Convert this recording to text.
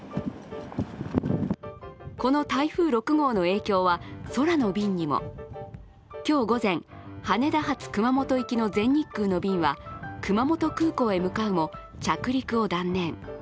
この台風６号の影響は空の便にも今日午前、羽田発熊本行きの全日空の便は熊本空港へ向かうも着陸を断念。